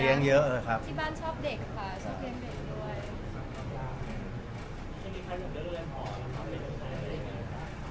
ที่บ้านชอบเด็กค่ะชอบเลี้ยงเด็กด้วย